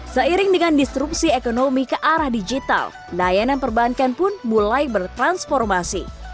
seiring dengan disrupsi ekonomi ke arah digital layanan perbankan pun mulai bertransformasi